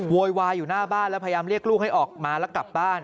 โวยวายอยู่หน้าบ้านแล้วพยายามเรียกลูกให้ออกมาแล้วกลับบ้าน